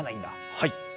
はい。